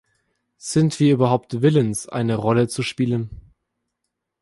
Sind wir überhaupt willens, eine Rolle zu spielen?